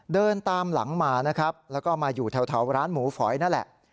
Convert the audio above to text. เดินตามหลังมานะครับแล้วก็มาอยู่แถวร้านหมูฝอยนั่นแหละ